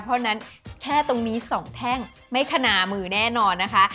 เพราะฉะนั้นแค่ตรงนี้๒แท่งไม่คณามือแน่นอนนะคะ